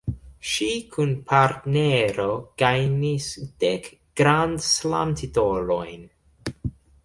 Ŝi kun partnero gajnis dek Grand Slam-titolojn.